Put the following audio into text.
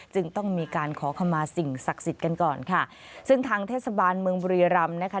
จึงต้องมีการขอขมาสิ่งศักดิ์สิทธิ์กันก่อนค่ะซึ่งทางเทศบาลเมืองบุรีรำนะคะ